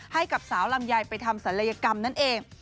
ให้กับสาวลำไยไปทำศัลยกรรมนั่นเอง